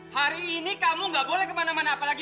hari ini kamu gak boleh kemana mana apalagi